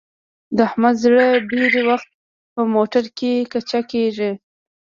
د احمد زړه ډېری وخت په موټرکې کچه کېږي.